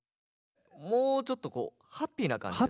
もうちょっとこうハッピーな感じでさ。